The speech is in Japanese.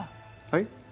はい？